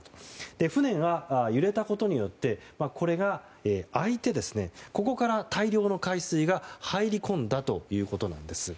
船が揺れたことによってこれが開いてここから大量の海水が入り込んだということなんです。